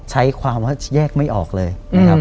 ใช้ความว่าแยกไม่ออกเลยนะครับ